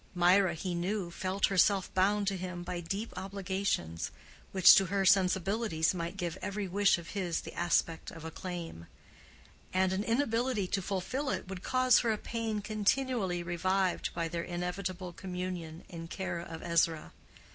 Mirah, he knew, felt herself bound to him by deep obligations, which to her sensibilities might give every wish of his the aspect of a claim; and an inability to fulfill it would cause her a pain continually revived by their inevitable communion in care of Ezra.